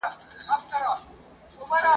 ټوله ژوند په نعمتونو کي روزلي !.